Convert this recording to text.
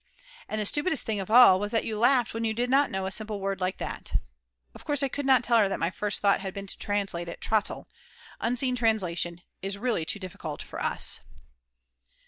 "And the stupidest thing of all was that you laughed when you did not know a simple word like that." Of course I could not tell her that my first thought had been to translate it "Trottel." Unseen translation is really too difficult for us.